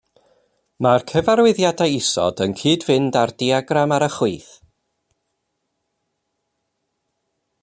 Mae'r cyfarwyddiadau isod yn cyd-fynd â'r diagram ar y chwith.